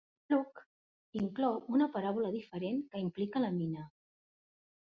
Luke inclou una paràbola diferent que implica la mina.